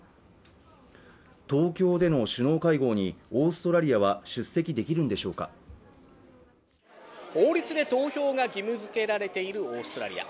東京での首脳会合にオーストラリアは出席できるんでしょうか法律で投票が義務付けられているオーストラリア